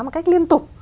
một cách liên tục